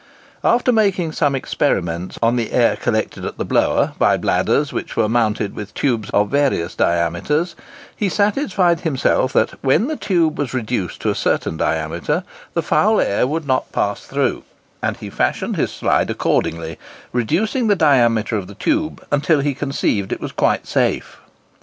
After making some experiments on the air collected at the blower, by bladders which were mounted with tubes of various diameters, he satisfied himself that, when the tube was reduced to a certain diameter, the foul air would not pass through; and he fashioned his slide accordingly, reducing the diameter of the tube until he conceived it was quite safe.